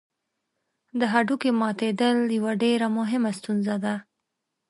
د هډوکي ماتېدل یوه ډېره مهمه ستونزه ده.